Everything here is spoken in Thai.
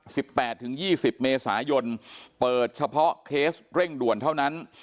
แปดถึงยี่สิบเมษายนเปิดเฉพาะเคสเร่งด่วนเท่านั้น